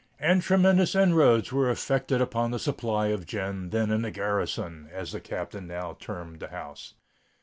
—and tremendous inroads were effected upon the supply of gin then in the "garrison," as the Captain now termed the house.